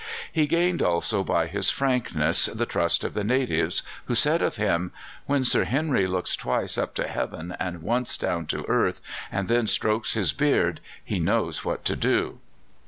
He gained also by his frankness the trust of the natives, who said of him: "When Sir Henry looks twice up to heaven and once down to earth, and then strokes his beard, he knows what to do."